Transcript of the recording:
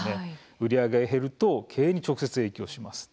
売り上げが減ると経営に直接、影響します。